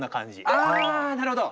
ああなるほど！